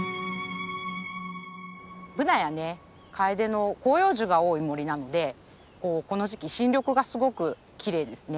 ブナやカエデの広葉樹が多い森なのでこの時期新緑がすごくきれいですね。